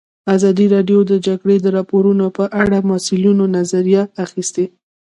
ازادي راډیو د د جګړې راپورونه په اړه د مسؤلینو نظرونه اخیستي.